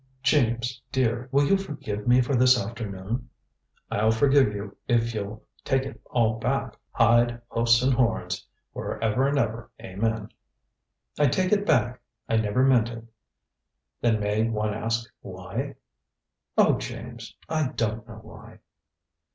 "James, dear, will you forgive me for this afternoon?" "I'll forgive you if you'll take it all back, hide, hoofs and horns, for ever 'n ever, amen." "I take it back. I never meant it." "Then may one ask why " "Oh, James, I don't know why."